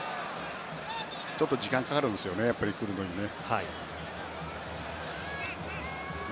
ちょっと時間がかかるんですね来るのにね。